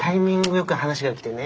よく話が来てね